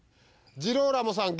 ジローラモさん